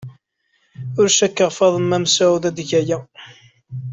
Ur cikkeɣ Faḍma Mesɛud ad teg aya.